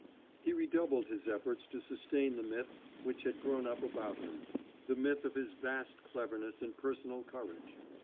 He redoubled his efforts to sustain the myth which had grown up about him, the myth of his vast cleverness and personal courage.